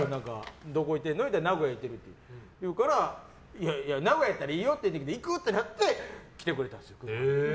どこいてるの？って言ったら名古屋いてるって言うからいや、名古屋やったらいいよって言ったけど行く！ってなって来てくれたんです。